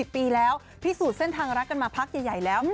ปีแล้วพิสูจน์เส้นทางรักกันมาพักใหญ่แล้ว